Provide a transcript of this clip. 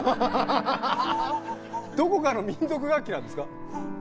どこかの民族楽器なんですか？